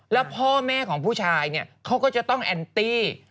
ตัวเนี่ยของผู้ชายเนี่ยเขาก็จะต้องแอนตี้